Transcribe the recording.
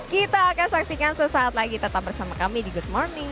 kita akan saksikan sesaat lagi tetap bersama kami di good morning